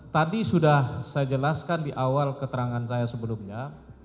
tadi sudah saya jelaskan di awal keterangan saya sebelumnya